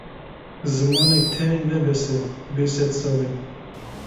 Zimanek tenê ne bes e vê sedsalê.